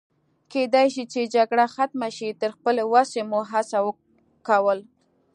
کېدای شي چې جګړه ختمه شي، تر خپلې وسې مو هڅه کول.